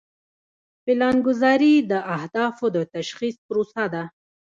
پلانګذاري د اهدافو د تشخیص پروسه ده.